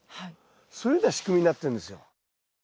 そういうふうな仕組みになってるんですよ。